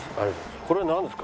これなんですか？